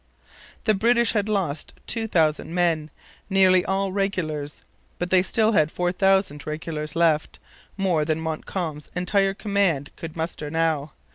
The British had lost 2,000 men, nearly all regulars. But they still had 4,000 regulars left, more than Montcalm's entire command could muster now.